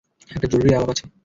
একটা জরুরি আলাপ আছে।